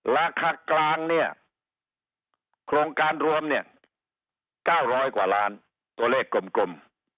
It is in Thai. ราคากลางเนี่ยโครงการรวมเนี่ย๙๐๐กว่าล้านตัวเลขกลม